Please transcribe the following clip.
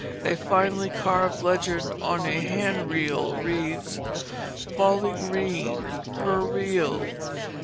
A finely carved legend on a hand reel reads: "POLLY GREENE, HER REEL.